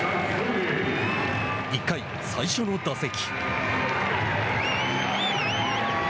１回、最初の打席。